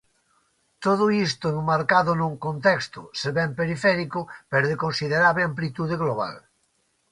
Todo isto enmarcado nun contexto se ben periférico pero de considerable amplitude global.